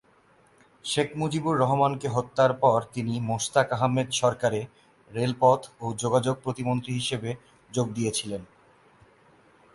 শেখ মুজিবুর রহমানকে হত্যার পর তিনি মোশতাক আহমেদ সরকারে রেলপথ ও যোগাযোগ প্রতিমন্ত্রী হিসাবে যোগ দিয়েছিলেন।